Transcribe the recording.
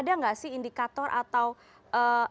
ada nggak sih indikator yang harus diungkapkan